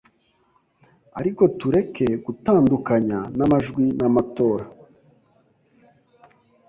Ariko tureke gutandukanya n'amajwi n'amatora